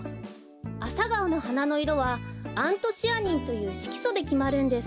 アサガオのはなのいろはアントシアニンというしきそできまるんです。